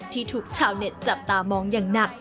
ที่ถูกชาวเน็ตจับตามองอย่างหนัก